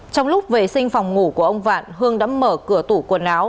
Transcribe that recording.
trong lúc vệ sinh phòng ngủ của ông vạn hương đã mở cửa tủ quần áo